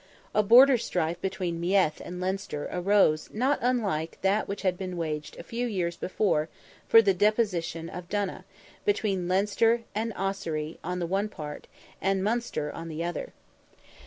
A border strife between Meath and Leinster arose not unlike that which had been waged a few years before for the deposition of Donogh, between Leinster and Ossory on the one part, and Munster on the other.